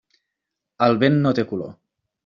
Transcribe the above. El vent no té color.